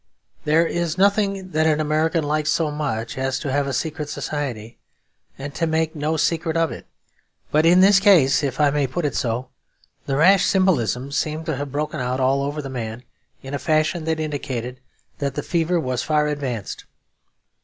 There is nothing that an American likes so much as to have a secret society and to make no secret of it. But in this case, if I may put it so, the rash of symbolism seemed to have broken out all over the man, in a fashion that indicated that the fever was far advanced.